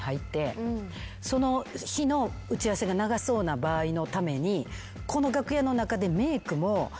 その日の打ち合わせが長そうな場合のためにこの楽屋の中で。